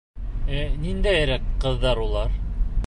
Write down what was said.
Ә ниндәйерәк ҡыҙҙар улар?